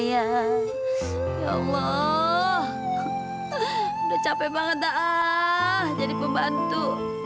ya allah udah capek banget dah jadi pembantu